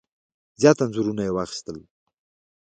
زیات انځورونه یې واخیستل.